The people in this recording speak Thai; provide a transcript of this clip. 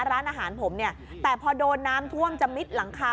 ร้านอาหารผมเนี่ยแต่พอโดนน้ำท่วมจะมิดหลังคา